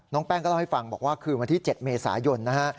แป้งก็เล่าให้ฟังบอกว่าคืนวันที่๗เมษายนนะฮะ